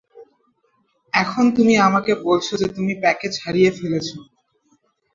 এখন তুমি আমাকে বলছো যে তুমি প্যাকেজ হারিয়ে ফেলেছ।